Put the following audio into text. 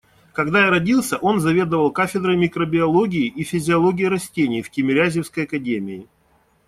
Когда я родился, он заведовал кафедрой микробиологии и физиологии растений в Тимирязевской академии.